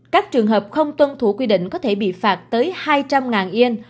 các trường hợp không tuân thủ quy định có thể bị phạt tới hai năm